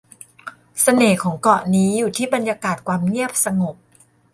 เสน่ห์ของเกาะนี้อยู่ที่บรรยากาศความเงียบสงบ